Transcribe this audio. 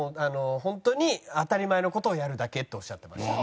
本当に当たり前の事をやるだけ」っておっしゃってました。